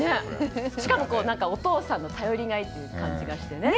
しかもお父さんの頼りがいという感じがしてね。